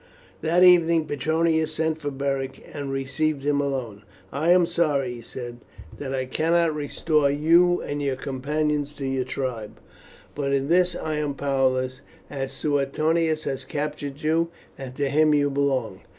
That evening Petronius sent for Beric, and received him alone. "I am sorry," he said, "that I cannot restore you and your companions to your tribe, but in this I am powerless, as Suetonius has captured you, and to him you belong.